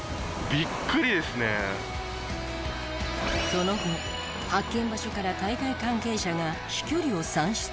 その後発見場所から大会関係者が飛距離を算出。